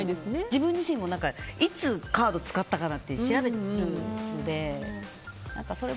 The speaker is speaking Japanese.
自分自身もいつカード使ったか調べるので。